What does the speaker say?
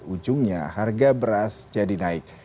ujungnya harga beras jadi naik